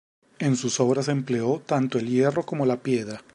En sus obras empleó tanto el hierro como la piedra.